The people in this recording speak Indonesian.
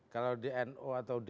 kalau di nu atau di